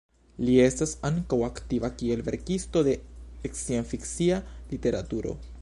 Li estas ankaŭ aktiva kiel verkisto de sciencfikcia literaturo.